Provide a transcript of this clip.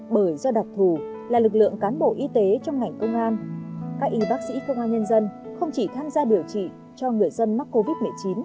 bởi do đặc thù là lực lượng cán bộ y tế trong ngành công an các y bác sĩ công an nhân dân không chỉ tham gia điều trị cho người dân mắc covid một mươi chín